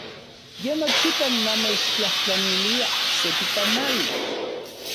Ye nochipa namechtlajtlanilia seki tamali.